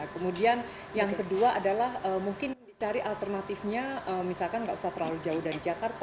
kemudian yang kedua adalah mungkin dicari alternatifnya misalkan nggak usah terlalu jauh dari jakarta